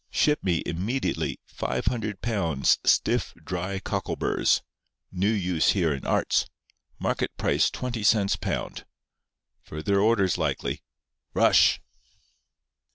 Ship me immediately 500 pounds stiff, dry cockleburrs. New use here in arts. Market price twenty cents pound. Further orders likely. Rush.